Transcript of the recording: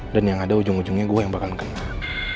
dan yang ada ujung ujungnya gue yang bakal mengkenal